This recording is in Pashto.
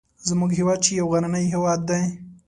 زموږ هیواد چې یو غرنی هیواد دی